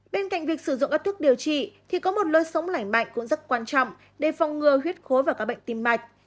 bên cạnh việc sử dụng các thuốc điều trị thì có một lối sống lành mạnh cũng rất quan trọng để phong ngừa huyết khối và các bệnh tim mạch